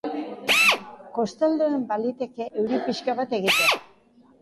Kostaldean baliteke euri pixka bat egitea.